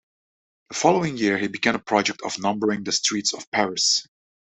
The following year, he began a project of numbering the streets of Paris.